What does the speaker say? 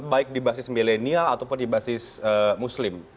baik di basis milenial ataupun di basis muslim